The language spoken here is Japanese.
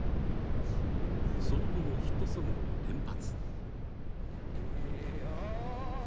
その後もヒットソングを連発。